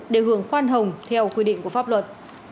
để hưởng khoan hồng theo quy định của pháp luật